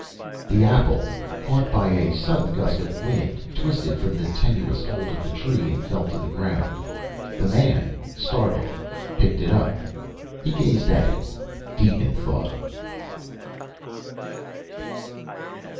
The apple, caught by a sudden gust of wind, twisted from the tenuous hold of the tree and fell to the ground. The man, startled, picked it up. He gazed at it, deep in thought.